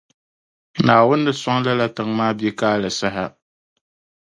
Naawuni ni sɔŋ lala·tiŋ’ ·maa biɛkaali saha.